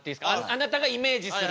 あなたがイメージする。